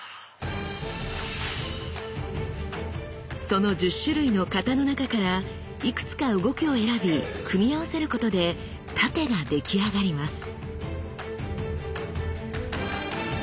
その１０種類の型の中からいくつか動きを選び組み合わせることで殺陣が出来上がります。